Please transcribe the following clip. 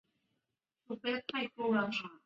海滨圣玛丽。